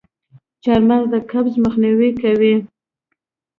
چارمغز د قبض مخنیوی کوي.